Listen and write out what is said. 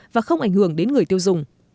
và không ảnh hưởng đến người tiêu dùng